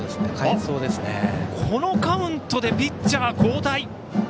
このカウントでピッチャー交代。